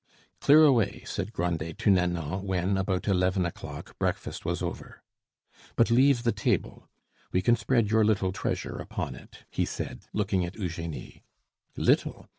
"Clear away," said Grandet to Nanon when, about eleven o'clock, breakfast was over, "but leave the table. We can spread your little treasure upon it," he said, looking at Eugenie. "Little?